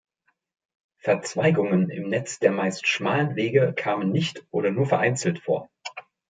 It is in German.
Verzweigungen im Netz der meist schmalen Wege kamen nicht oder nur vereinzelt vor.